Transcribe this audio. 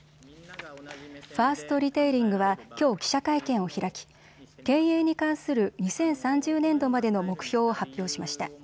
ファーストリテイリングはきょう記者会見を開き経営に関する２０３０年度までの目標を発表しました。